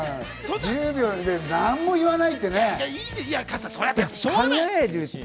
１０秒で何も言わないってね。